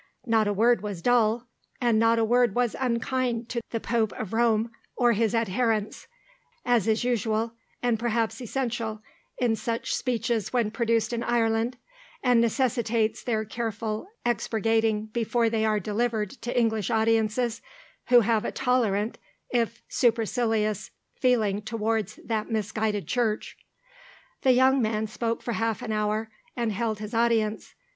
Not a word was dull, and not a word was unkind to the Pope of Rome or his adherents, as is usual, and perhaps essential, in such speeches when produced in Ireland, and necessitates their careful expurgating before they are delivered to English audiences, who have a tolerant, if supercilious, feeling towards that misguided Church. The young man spoke for half an hour, and held his audience.